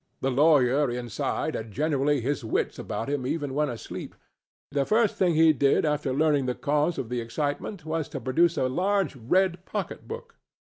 The lawyer inside had generally his wits about him even when asleep; the first thing he did after learning the cause of the excitement was to produce a large red pocketbook.